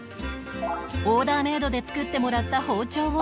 オーダーメイドで作ってもらった包丁を持ち